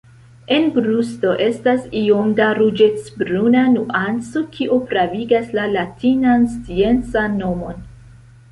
En brusto estas iom da ruĝecbruna nuanco, kio pravigas la latinan sciencan nomon.